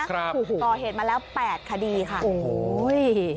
ก่อเหตุมาแล้วแปดคดีค่ะโอ้โห